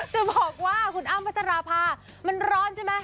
จะบอกว่าคุณอ้ำพัชราภามันร้อนใช่ไหม